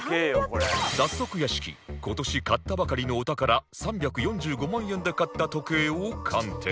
早速屋敷今年買ったばかりのお宝３４５万円で買った時計を鑑定